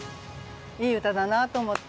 いい歌だなと思って。